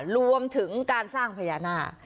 รวมถึงการสร้างพญานาค